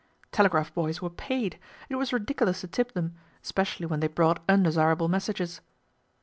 Telegraph boys were paid. It was ridicu lous to tip them, especially when they brought undesirable messages.